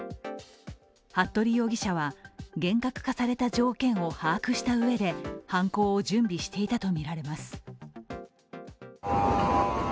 服部容疑者は厳格化された条件を把握したうえで犯行を準備していたとみられます。